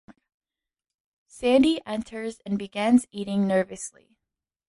Sandy enters and begins eating nervously.